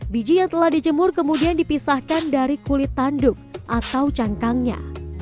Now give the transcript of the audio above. biji yang telah dijemur kemudian dipisahkan dari kulit tanduk atau cangkangnya